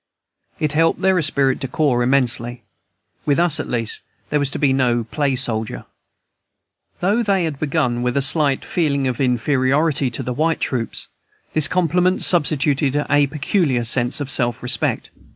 It helped their esprit de corps immensely. With us, at least, there was to be no play soldier. Though they had begun with a slight feeling of inferiority to the white troops, this compliment substituted a peculiar sense of self respect.